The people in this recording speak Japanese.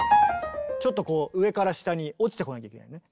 ちょっとこう上から下に落ちてこなきゃいけないね。